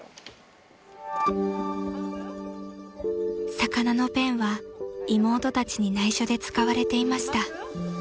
［魚のペンは妹たちに内緒で使われていました］